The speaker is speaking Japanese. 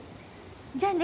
じゃあね。